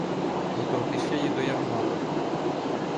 Готовте шиї до ярма!